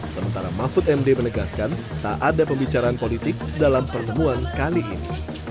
sementara mahfud md menegaskan tak ada pembicaraan politik dalam pertemuan kali ini